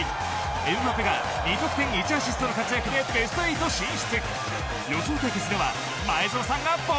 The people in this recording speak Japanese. エムバペが２得点１アシストの活躍でベスト８進出。